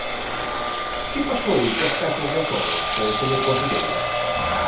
¿Que pasou coas caixas de aforros, señor conselleiro?